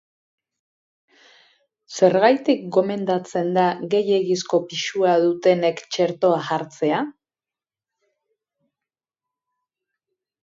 Zergatik gomendatzen da gehiegizko pisua dutenek txertoa jartzea?